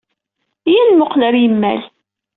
Iyya ad nemmuqqel ɣer yimal.